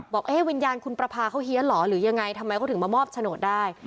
วิญญาณคุณประพาเขาเฮียนเหรอหรือยังไงทำไมเขาถึงมามอบโฉนดได้